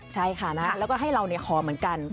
ใช่ค่ะนะแล้วก็ให้เราขอเหมือนกัน